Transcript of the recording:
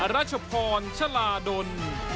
รัชพรชลาดล